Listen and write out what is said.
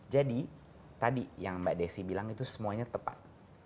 jadi tadi yang mbak desy bilang itu semuanya tepat